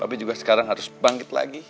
tapi juga sekarang harus bangkit lagi